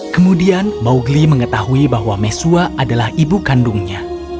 kemudian mowgli mengetahui bahwa mesua adalah ibu kandungnya